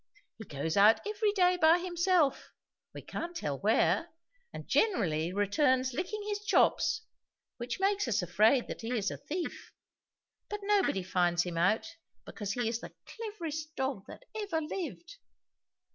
He goes out every day by himself, we can't tell where, and generally returns licking his chops, which makes us afraid that he is a thief; but nobody finds him out, because he is the cleverest dog that ever lived!